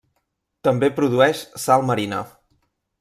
També produeix sal marina.